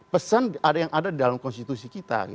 pesan yang ada di dalam konstitusi kita